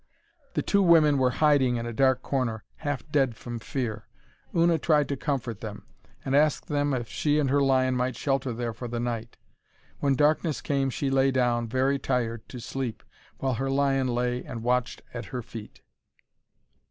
The two women were hiding in a dark corner, half dead from fear. Una tried to comfort them, and asked them if she and her lion might shelter there for the night. When darkness came she lay down, very tired, to sleep, while her lion lay and watched at her feet.